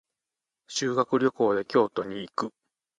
修学旅行で京都に行く。